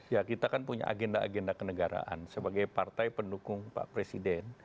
ya kita kan punya agenda agenda kenegaraan sebagai partai pendukung pak presiden